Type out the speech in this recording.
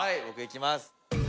僕いきます